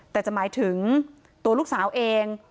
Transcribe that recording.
แต่จะหมายถึงตัวลูกสาวเอง